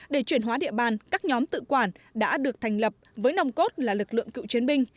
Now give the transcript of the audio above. để chuyển hóa địa bàn các nhóm tự quản đã được thành lập với nồng cốt là lực lượng cựu chiến binh